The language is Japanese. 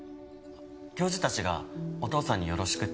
教授たちがお父さんによろしくって。